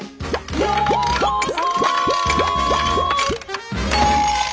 「ようこそ」